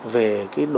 về cái độ áp dụng